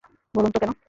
বলুন তো কেন?